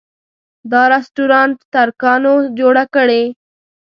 دا رسټورانټ ترکانو جوړه کړې.